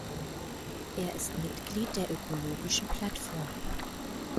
Er ist Mitglied der ökologischen Plattform.